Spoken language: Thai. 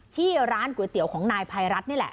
ที่ร้านก๋วยเตี๋ยวของนายภัยรัฐนี่แหละ